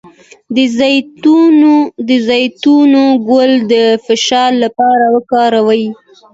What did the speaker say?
د زیتون ګل د فشار لپاره وکاروئ